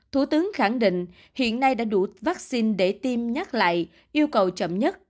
thủ tướng khẳng định hiện nay đã đủ vaccine để tiêm nhắc lại yêu cầu chậm nhất